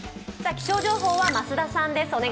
気象情報は増田さんです。